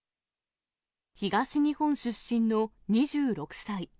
東日本出身の２６歳。